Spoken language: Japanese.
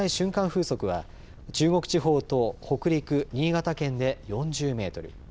風速は中国地方と北陸、新潟県で４０メートル